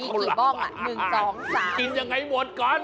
มีกี่บ้องล้ะหนึ่งสองสามยังไงหมดกัน